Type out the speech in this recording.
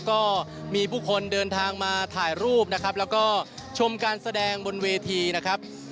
ก็มีผู้คนเดินทางมาถ่ายรูปนะครับแล้วก็ชมการแสดงบนเวทีนะครับ